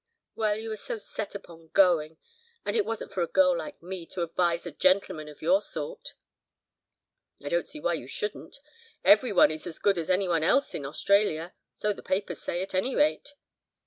"Well, you were so set upon going, and it wasn't for a girl like me to advise a gentleman of your sort." "I don't see why you shouldn't. Every one is as good as any one else in Australia. So the papers say, at any rate."